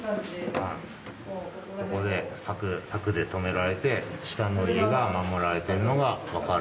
ここで柵で止められて下の家が守られているのが分かる。